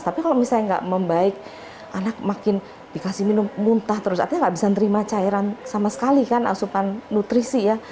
tapi kalau misalnya nggak membaik anak makin dikasih minum muntah terus artinya nggak bisa nerima cairan sama sekali kan asupan nutrisi ya